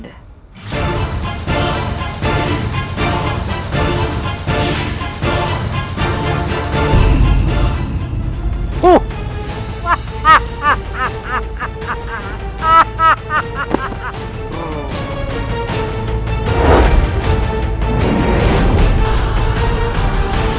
kepas lagi bol